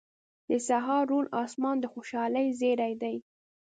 • د سهار روڼ آسمان د خوشحالۍ زیری دی.